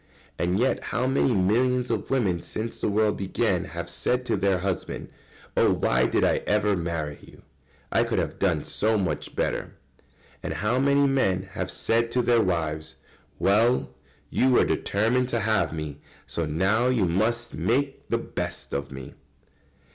And yet how many millions of women since the world began have said to their husband: "Oh, why did I ever marry you? I could have done so much better." And how many men have said to their wives: "Well! You were determined to have me, so now you must make the best of me."